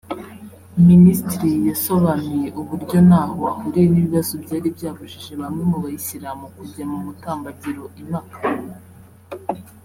Minisitiri yasobanuye uburyo ntaho ahuriye n’ibibazo byari byabujije bamwe mu Bayisilamu kujya mu mutambagiro i Maka